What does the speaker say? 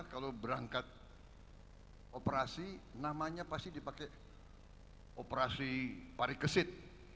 kalau berangkat operasi namanya pasti dipakai operasi parikesit